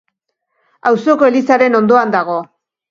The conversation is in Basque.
Auzoko elizaren ondoan dago.